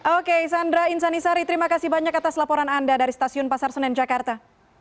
oke sandra insanisari terima kasih banyak atas laporan anda dari stasiun pasar senen jakarta